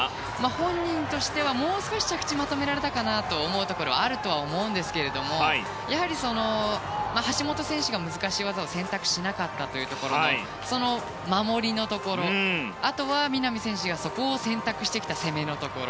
本人としてはもう少し着地をまとめられたかなと思うところあるとは思うんですけどもやはり、橋本選手が難しい技を選択しなかったというところで守りのところ、あとは南選手がそこを選択してきた攻めのところ。